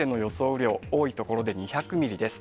雨量、多い所で２００ミリです。